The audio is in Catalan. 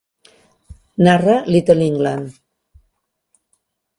Narra "Little England".